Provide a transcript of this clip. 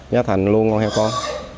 giá thành luôn con heo con